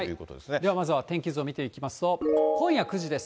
ではまずは天気図を見ていきますと、今夜９時です。